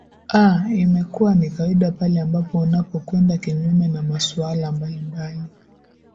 aa imekuwa ni kawaida pale ambapo unapokwenda kinyume na masuala mbalimbali